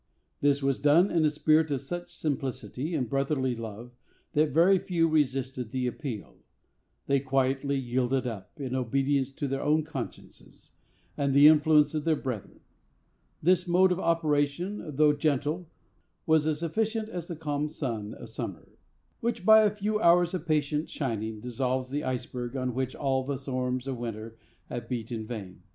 This was done in a spirit of such simplicity and brotherly love that very few resisted the appeal. They quietly yielded up, in obedience to their own consciences, and the influence of their brethren. This mode of operation, though gentle, was as efficient as the calm sun of summer, which, by a few hours of patient shining, dissolves the iceberg on which all the storms of winter have beat in vain.